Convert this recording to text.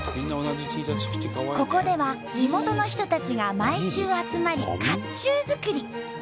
ここでは地元の人たちが毎週集まり甲冑作り。